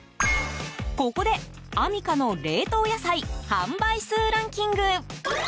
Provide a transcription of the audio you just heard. ここで、アミカの冷凍野菜販売数ランキング。